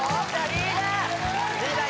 リーダー！